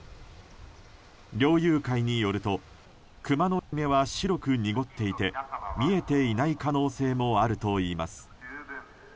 猟友会によると、クマの目は白く濁っていて見えていない可能性もあるといいます。